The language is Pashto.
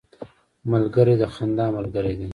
ملګری د خندا ملګری دی